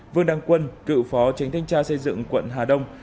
vương đăng quân cựu phó tránh thanh tra xây dựng quận hà đông